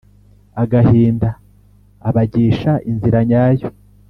agahinda abagisha inzira nyayo